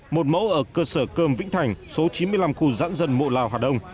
một mẫu ở cơ sở cơm vĩnh thành số chín mươi năm khu dãng dân mộ lào hà đông